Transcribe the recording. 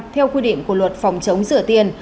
theo quy định của luật phòng chống rửa tiền